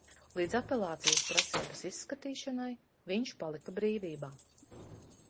Līdz apelācijas prasības izskatīšanai viņš palika brīvībā.